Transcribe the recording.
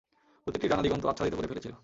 প্রতিটি ডানা দিগন্ত আচ্ছাদিত করে ফেলেছিল।